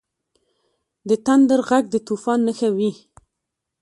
• د تندر ږغ د طوفان نښه وي.